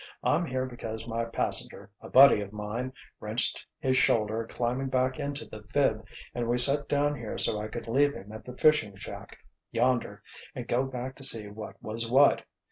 I'm here because my passenger, a buddy of mine, wrenched his shoulder climbing back into the 'phib' and we set down here so I could leave him at the fishing shack, yonder, and go back to see what was what.